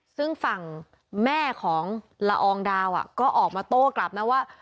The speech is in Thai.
ซึ่งฝั่งแม่ของละอองดาวก็ออกมาโต้กลับนะว่า